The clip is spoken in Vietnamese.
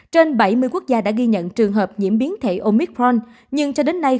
trên bảy mươi quốc gia đã ghi nhận trường hợp nhiễm biến thể omitforn nhưng cho đến nay